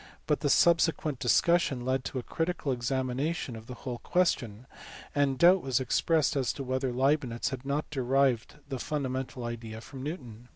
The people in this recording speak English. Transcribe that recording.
But the subsequent discussion led to a critical examination of the whole question, and doubt was expressed as to whether Leibnitz had not derived the fundamental idea from Newton.